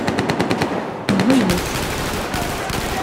Nɣellet.